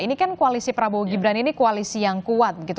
ini kan koalisi prabowo gibran ini koalisi yang kuat gitu